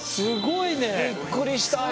びっくりしたよ。